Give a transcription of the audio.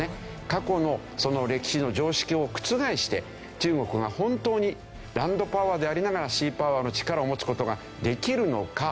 過去の歴史の常識を覆して中国が本当にランドパワーでありながらシーパワーの力を持つ事ができるのか。